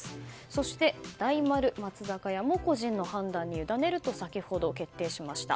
そして、大丸松坂屋も個人の判断に委ねると先ほど決定しました。